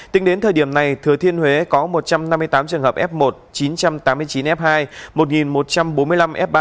tính đến thời điểm này thừa thiên huế có một trăm năm mươi tám trường hợp f một chín trăm tám mươi chín f hai một một trăm bốn mươi năm f ba